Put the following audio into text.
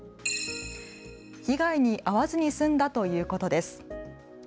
被害に遭わずに済んだということです。